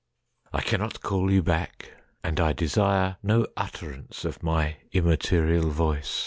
I cannot call you back; and I desireNo utterance of my immaterial voice.